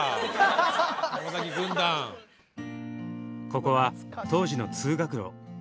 ここは当時の通学路。